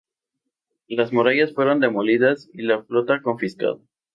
Las murallas fueron demolidas y la flota confiscada.